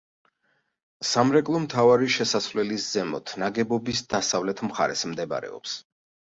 სამრეკლო მთავარი შესასვლელის ზემოთ, ნაგებობის დასავლეთ მხარეს მდებარეობს.